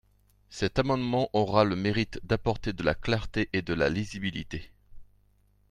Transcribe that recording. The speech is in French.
Cet amendement aura le mérite d’apporter de la clarté et de la lisibilité.